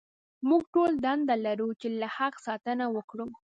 موږ ټول دنده لرو چې له حق ساتنه وکړو.